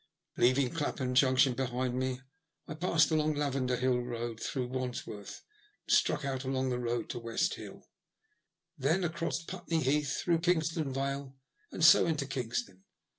Leaving Clapham Junction behind me, I passed along the Lavender Hill Eoad, through Wandsworth, and struck out along the road to West Hill, then across Putney Heath, through Kingston Vale, and so into Kingston.